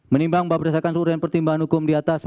menimbang bahwa berdasarkan urutan pertimbangan hukum di atas